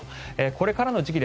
これからの時期